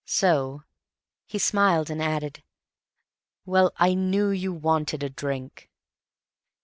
So—" he smiled and added, "Well, I knew you wanted a drink."